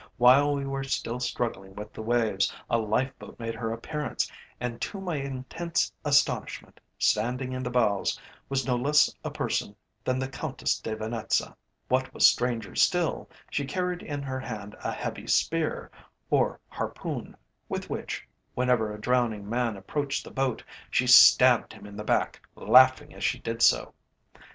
While we were still struggling with the waves, a life boat made her appearance, and, to my intense astonishment, standing in the bows was no less a person than the Countess De Venetza. What was stranger still, she carried in her hand a heavy spear, or harpoon, with which, whenever a drowning man approached the boat, she stabbed him in the back, laughing as she did so.